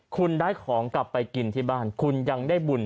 คุณได้ของกลับไปกินที่บ้านคุณยังได้บุญ